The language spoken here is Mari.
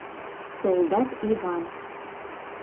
Солдат Иван.